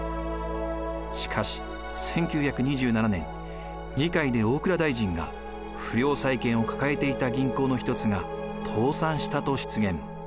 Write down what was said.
しかし１９２７年議会で大蔵大臣が不良債権を抱えていた銀行の一つが「倒産した」と失言。